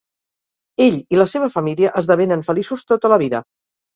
Ell i la seva família esdevenen feliços tota la vida.